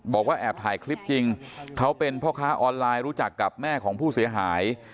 บอกว่าแอบถ่ายคลิปจริงเขาเป็นพ่อค้าออนไลน์รู้จักกับแม่ของผู้เสียหาย